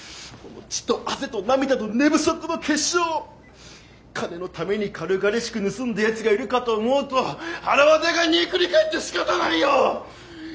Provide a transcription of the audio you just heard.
血と汗と涙と寝不足の結晶を金のために軽々しく盗んだやつがいるかと思うとはらわたが煮えくり返ってしかたないよ！